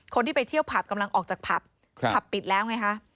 คนที่ไปเที่ยวผับกำลังออกจากผับผับปิดแล้วไงคะ